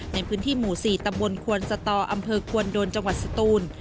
ในพื้นที่หมู่๔ตำบลควนสตออำเภอควนโดนจังหวัดสตูน